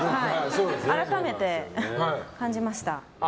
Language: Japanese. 改めて感じました。